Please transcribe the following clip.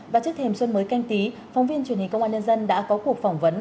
và trước thềm xuân mới canh tí phóng viên truyền hình công an nhân dân đã có cuộc phỏng vấn